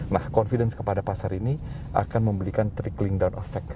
nah confidence kepada pasar ini akan memberikan trickling down effect